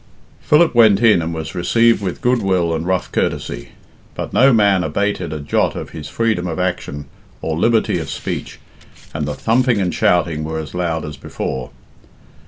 Philip went in and was received with goodwill and rough courtesy, but no man abated a jot of his freedom of action or liberty of speech, and the thumping and shouting were as loud as before.